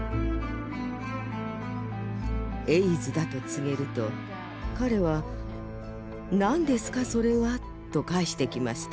エイズだと告げると彼は「何ですかそれは？」と返してきました。